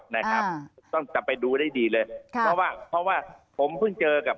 นะครับต้องจะไปดูได้ดีเลยค่ะเพราะว่าเพราะว่าผมเพิ่งเจอกับ